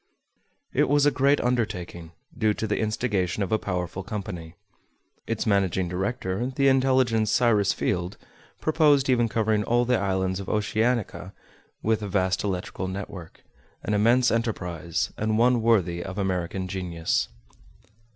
It was a great undertaking, due to the instigation of a powerful company. Its managing director, the intelligent Cyrus Field, purposed even covering all the islands of Oceanica with a vast electrical network, an immense enterprise, and one worthy of American genius.